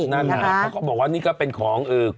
นะนแหละมันมีนะค่ะเขาบอกว่านี่ก็เป็นของเออ